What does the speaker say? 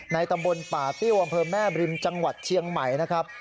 ตำบลป่าติ้วอำเภอแม่บริมจังหวัดเชียงใหม่นะครับ